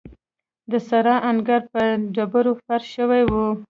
د سرای انګړ په ډبرو فرش شوی و.